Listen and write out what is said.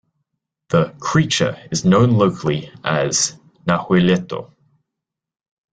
The "creature" is known locally as "Nahuelito".